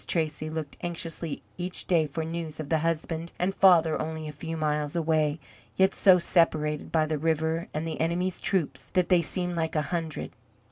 Tracy looked anxiously each day for news of the husband and father only a few miles away, yet so separated by the river and the enemy's troops that they seemed like a hundred.